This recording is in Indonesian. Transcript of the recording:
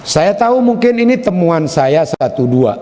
saya tahu mungkin ini temuan saya satu dua